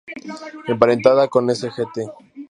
Emparentada con "Sgt.